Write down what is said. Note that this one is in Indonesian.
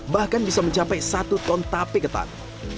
bahkan bisa mencapai satu ton tape ketan